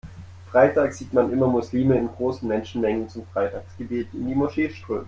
Freitags sieht man immer Muslime in großen Menschenmengen zum Freitagsgebet in die Moschee strömen.